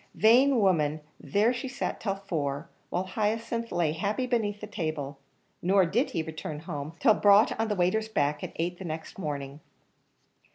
Vain woman, there she sat till four, while Hyacinth lay happy beneath the table; nor did he return home, till brought on the waiter's back, at eight the next morning.